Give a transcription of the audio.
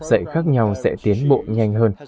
dạy khác nhau sẽ tiến bộ nhanh hơn